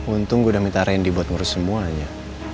untung gue udah minta rendy buat ngurus semuanya